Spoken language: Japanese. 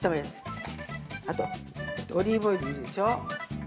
あとオリーブオイルでしょ。